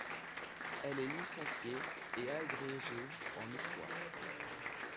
Elle est licenciée et agrégée en Histoire.